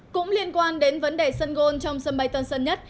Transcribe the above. cũng liên quan đến vấn đề sân gôn trong sân bay tân sơn nhất